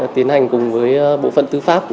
tiến hành cùng với bộ phận tư pháp của